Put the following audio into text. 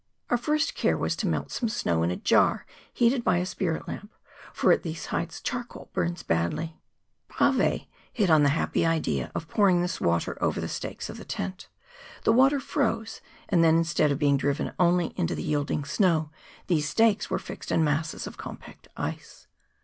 Our first care was to melt some snow in a jar heated by a spirit lamp, for at these heights charcoal burns badly. Bravais hit on the happy idea of pouring 24 MOUNTAIN ADVENTURES. this water over the stakes of the tent; the water froze, and then, instead of being driven only into the yielding snow, these stakes were fixed in masses of compact ice.